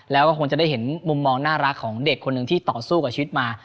แล้วก็คงจะได้เห็นมุมมองน่ารักของเด็กคนหนึ่งที่ต่อสู้กับชีวิตมา